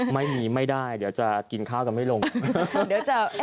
ไม่มีไม่ได้เดี๋ยวจะกินข้าวกันไม่ลงค่ะเดี๋ยวจะเอ๋